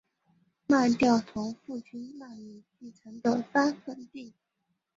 卖掉从父亲那里继承的三分地